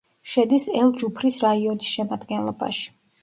შედის ელ-ჯუფრის რაიონის შემადგენლობაში.